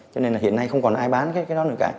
cho nên là hiện nay không còn ai bán cái đó nữa cả